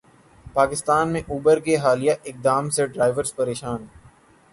پاکستان میں اوبر کے حالیہ اقدام سے ڈرائیورز پریشان